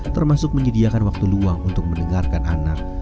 termasuk menyediakan waktu luang untuk mendengarkan anak